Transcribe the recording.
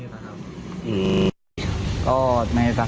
วันยังได้เนี่ยนะครับ